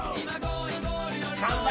乾杯！